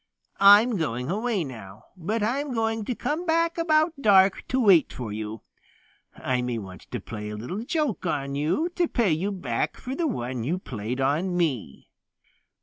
I'm going away now, but I'm going to come back about dark to wait for you. I may want to play a little joke on you to pay you back for the one you played on me."